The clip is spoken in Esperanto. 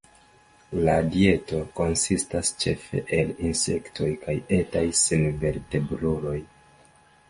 La dieto konsistas ĉefe el insektoj kaj etaj senvertebruloj.